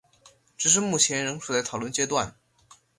直至目前仍处在讨论阶段。